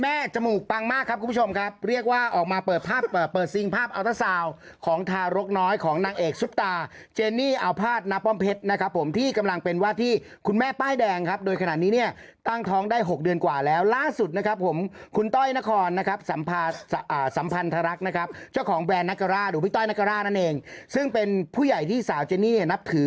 แม่จมูกปังมากครับคุณผู้ชมครับเรียกว่าออกมาเปิดภาพเปิดซิงภาพอัลต้าสาวของทารกน้อยของนางเอกสุดตาเจนี่อาวภาษณ์น้าป้อมเพชรนะครับผมที่กำลังเป็นว่าที่คุณแม่ป้ายแดงครับโดยขนาดนี้เนี้ยตั้งท้องได้หกเดือนกว่าแล้วล่าสุดนะครับผมคุณต้อยนครนะครับสัมภาษณ์สัมพันธรรคนะครับ